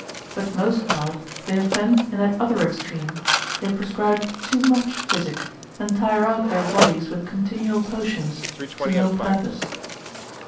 But most part they offend in that other extreme, they prescribe too much physic, and tire out their bodies with continual potions, to no purpose.